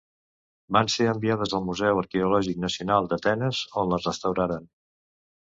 Van ser enviades al Museu Arqueològic Nacional d'Atenes, on les restauraren.